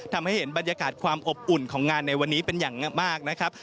ทำให้เห็นบรรยากาศความอบอุ่นของงานในวันนี้เป็นอย่างมากนะครับ